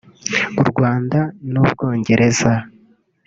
u Rwanda n’u Bwongereza